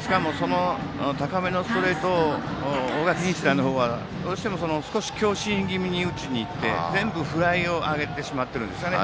しかも高めのストレートを大垣日大の方はどうしても少し強振気味に打ちに行って全部フライを上げてしまっているんですね。